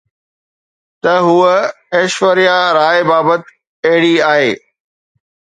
ته هوءَ ايشوريا راءِ بابت اهڙي آهي